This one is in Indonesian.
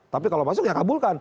tapi kalau masuk ya kabulkan